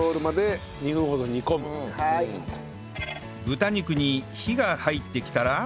豚肉に火が入ってきたら